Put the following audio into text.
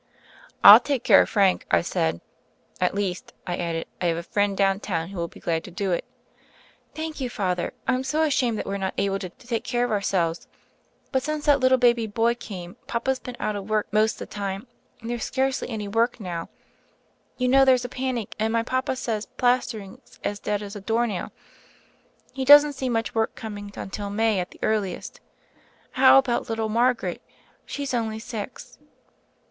"I'll take care of Frank," I said. "At least," I added, "I have a friend down town who will be glad to do it." "Thank you. Father. I'm so ashamed that we're not able to take care of ourselves; but since that little baby boy came, papa's been out of work most the time, and there's scarcely any work now; you know there's a panic and my papa says plastering's as dead as a doornail. He doesn't see much work coming until May at the earliest. How about little Margaret? She's only six."